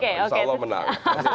insya allah menang